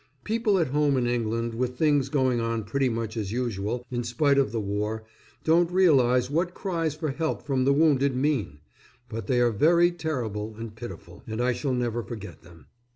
People at home in England, with things going on pretty much as usual in spite of the war, don't realise what cries for help from the wounded mean; but they are very terrible and pitiful, and I shall never forget them.